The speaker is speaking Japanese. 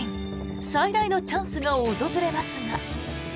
最大のチャンスが訪れますが。